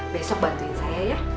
besok bantuin saya ya